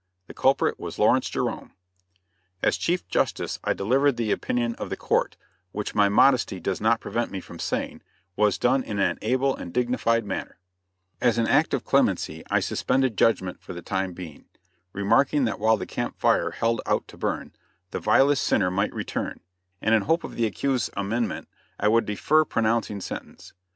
The culprit was Lawrence Jerome. As chief justice I delivered the opinion of the court, which my modesty does not prevent me from saying, was done in an able and dignified manner; as an act of clemency I suspended judgment for the time being, remarking that while the camp fire held out to burn, the vilest sinner might return; and in hope of the accused's amendment, I would defer pronouncing sentence.